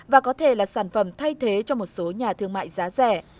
và có thể là sản phẩm thay thế cho một số nhà thương mại giá rẻ